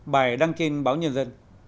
bài đăng kênh báo nhân dân